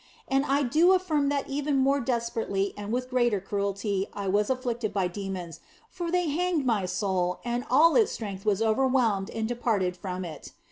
And I do affirm that even more desperately and with greater cruelty was I afflicted by demons, for they hanged my soul OF FOLIGNO 15 and all its strength was overwhelmed and departed from it.